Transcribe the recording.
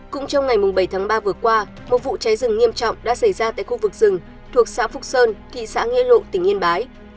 cũng trong ngày bảy tháng ba vừa qua một vụ cháy rừng nghiêm trọng đã xảy ra tại khu vực rừng thuộc xã phúc sơn thị xã nghĩa lộ tỉnh yên bái